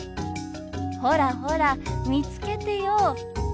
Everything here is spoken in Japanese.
ほらほら見つけてよ。